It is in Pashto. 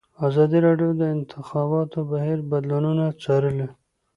ازادي راډیو د د انتخاباتو بهیر بدلونونه څارلي.